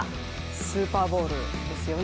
スーパーボウルですよね。